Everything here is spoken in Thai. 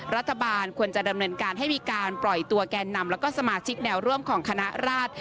รัฐบาลควรจะดำเนินการให้มีการปล่อยตัวแกนนำแล้วก็สมาชิกแนวร่วมของคณะราช